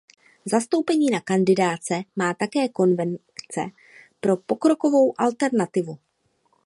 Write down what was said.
Zastoupení na kandidátce má také Konvence pro pokrokovou alternativu.